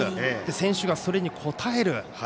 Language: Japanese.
選手がそれに応える。